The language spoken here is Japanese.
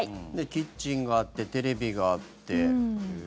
キッチンがあってテレビがあって。